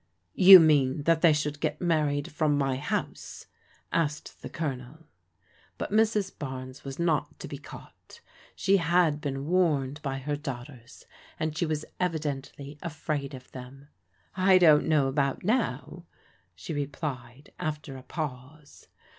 "You mean that they should get married frona my house ?" asked the Colonel. But Mrs. Barnes was not to be caught. She had been warned by her daughters, and she was evidently afraid of them. I don't know about now," she replied after a pause.